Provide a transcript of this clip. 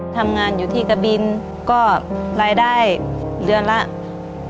ทำงานอยู่ที่กระบินก็รายได้เรือนละ๑๓๐๐๐บาท